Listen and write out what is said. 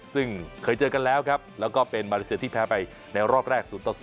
ซึ่งเคยเจอกันแล้วครับแล้วก็เป็นมาเลเซียที่แพ้ไปในรอบแรก๐ต่อ๐